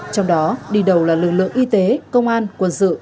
trong đó đi đầu là lực lượng y tế công an quân sự